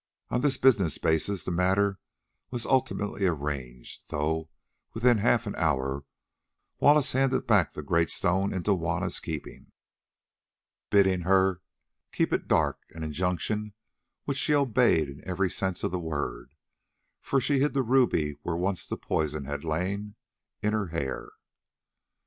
On this business basis the matter was ultimately arranged, though within half an hour Wallace handed back the great stone into Juanna's keeping, bidding her "keep it dark"; an injunction which she obeyed in every sense of the word, for she hid the ruby where once the poison had lain—in her hair.